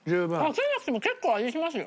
かけなくても結構味しますよ？